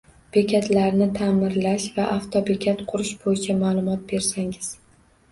Bekatlarni ta’mirlash va avtobekat kurish bo‘yicha ma’lumot bersangiz.